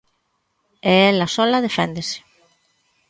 E ela soa deféndese.